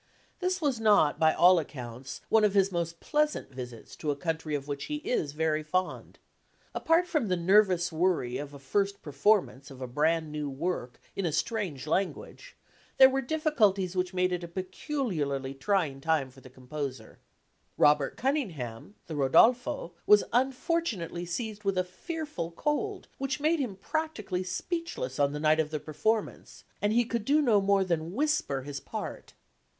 This was not, by all accounts, one of his most pleasant visits to a country of which he is very fond. Apart from the nervous worry of a first performance of a brand new work in a strange language, there were difficulties which made it a peculiarly trying time for the composer. Robert Cuningham, the Rodolfo, was unfortunately seized with a fearful cold which made him practically speechless on the night of the performance, and he could do no more than whisper his part.